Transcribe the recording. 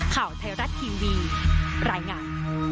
ข่าวไทยรัฐทีวีรายงาน